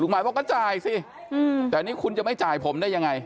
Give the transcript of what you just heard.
หมายบอกก็จ่ายสิแต่นี่คุณจะไม่จ่ายผมได้ยังไง